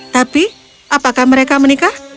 tapi apakah mereka menikah